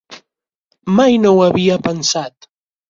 Mai no ho havia pensat.